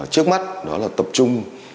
trước mắt đó là tập trung